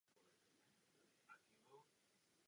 Zde tedy můžeme být s naší legislativou spokojeni.